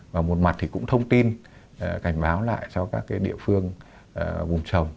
và một mặt thì cũng thông tin cảnh báo lại cho các địa phương vùng trồng